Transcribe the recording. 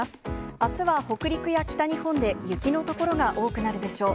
あすは北陸や北日本で雪の所が多くなるでしょう。